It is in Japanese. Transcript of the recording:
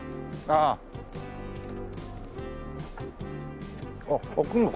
あっ開くのか。